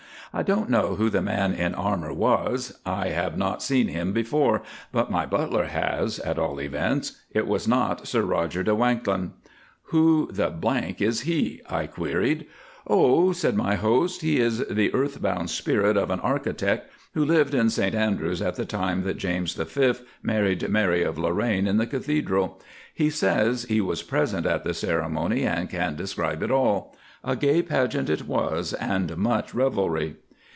I don't know who the man in armour was. I have not seen him before, but my butler has, at all events. It was not Sir Roger de Wanklyn." "Who the ⸺ is he?" I queried. "Oh," said my host, "he is the earth bound spirit of an architect who lived in St Andrews at the time that James the Fifth married Mary of Lorraine in the Cathedral; he says he was present at the ceremony and can describe it all. A gay pageant it was and much revelry."